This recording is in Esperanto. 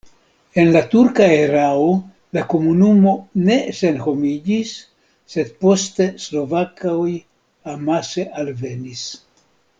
En la turka erao la komunumo ne senhomiĝis, sed poste slovakoj amase alvenis.